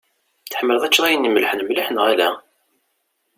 Tḥemmleḍ ad teččeḍ ayen imellḥen mliḥ neɣ ala?